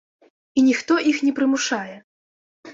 І ніхто іх не прымушае!